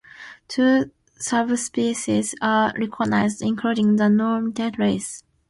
Two subspecies are recognized, including the nominate race.